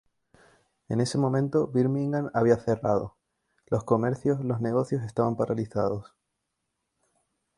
En ese momento, Birmingham había cerrado: los comercios y los negocios estaban paralizados.